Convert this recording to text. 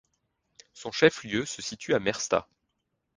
Son chef-lieu se situe à Märsta.